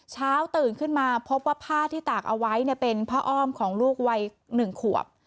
เช้าตื่นขึ้นมาพบว่าผ้าที่ตากเอาไว้เป็นผ้าอ้อมของลูกวัย๑ขวบ